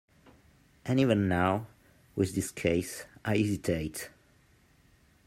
And even now, with this case, I hesitate.